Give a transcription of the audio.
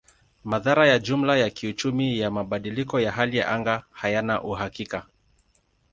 Madhara ya jumla ya kiuchumi ya mabadiliko ya hali ya anga hayana uhakika.